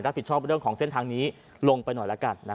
ชอบเรื่องของเส้นทางนี้ลงไปหน่อยละกัน